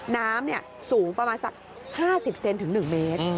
น้ำสูงประมาณสัก๕๐เซนถึง๑เมตร